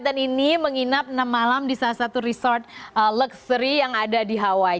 dan ini menginap enam malam di salah satu resort luxury yang ada di hawaii